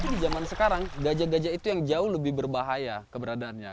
tapi di zaman sekarang gajah gajah itu yang jauh lebih berbahaya keberadaannya